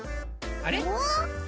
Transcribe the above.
あれ？